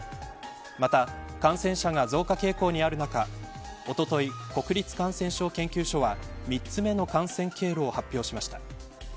また、感染者が増加傾向にある中おととい、国立感染症研究所は３つ目の感染経路を発表しました。